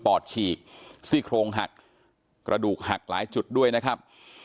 อดฉีกซี่โครงหักกระดูกหักหลายจุดด้วยนะครับ